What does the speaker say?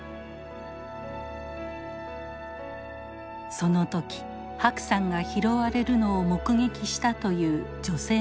その時白さんが拾われるのを目撃したという女性の証言です。